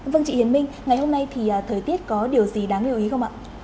vâng chị hiến minh ngày hôm nay thì thời tiết có điều gì đáng lưu ý không ạ